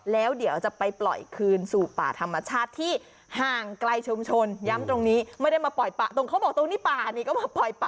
แล้วเดี๋ยวจะไปปล่อยคืนสู่ป่าธรรมชาติที่ห่างไกลชุมชนย้ำตรงนี้ไม่ได้มาปล่อยปะตรงเขาบอกตรงนี้ป่านี่ก็มาปล่อยป่า